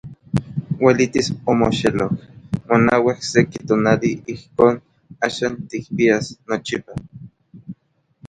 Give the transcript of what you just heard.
Uelitis omoxeloj monauak seki tonali ijkon axan tikpias nochipa.